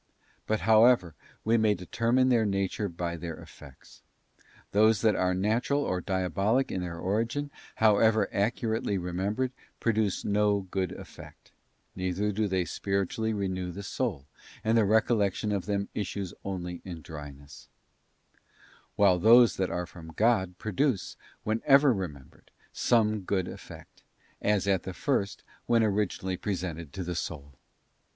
But, how ever, we may determine their nature by their effects. Those that are natural or diabolic in their origin, however ac curately remembered, produce no good effect, neither do they spiritually renew the soul, and the recollection of them issues only in dryness; while those which are from God produce, whenever remembered, some good effect, as at the first when originally presented to the soul.